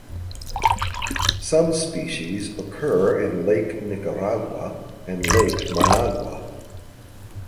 Some species occur in Lake Nicaragua and Lake Managua.